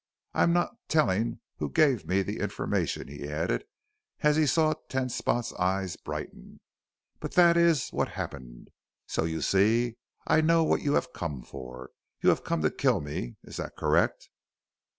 I am not telling who gave me the information," he added as he saw Ten Spot's eyes brighten, "but that is what happened. So you see I know what you have come for. You have come to kill me. Is that correct?"